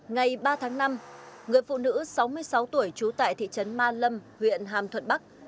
ngày ba tháng năm người phụ nữ sáu mươi sáu tuổi trú tại thị trấn ma lâm huyện hàm thuận bắc